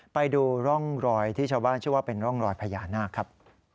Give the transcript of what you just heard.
ไปดูร่องรอยที่ชาวบ้านเชื่อว่าเป็นร่องรอยพญานาคครับ